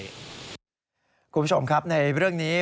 คุณผู้ชมครับในเรื่องนี้